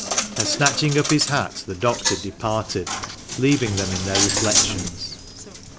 And, snatching up his hat, the doctor departed, leaving them to their reflections.